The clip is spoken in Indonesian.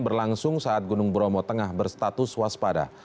berlangsung saat gunung bromo tengah berstatus waspada